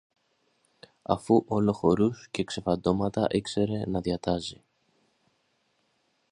αφού όλο χορούς και ξεφαντώματα ήξερε να διατάζει